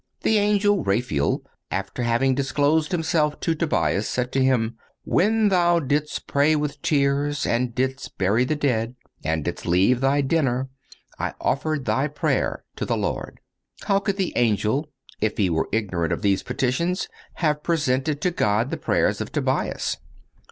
The angel Raphael, after having disclosed himself to Tobias, said to him: "When thou didst pray with tears, and didst bury the dead, and didst leave thy dinner, I offered thy prayer to the Lord."(194) How could the angel, if he were ignorant of these petitions, have presented to God the prayers of Tobias?